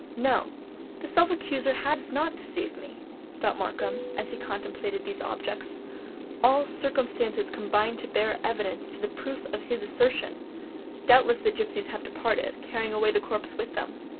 "No—that self accuser has not deceived me!" thought Markham, as he contemplated these objects. "All circumstances combine to bear evidence to the truth of his assertion! Doubtless the gipsies have departed, carrying away the corpse with them!"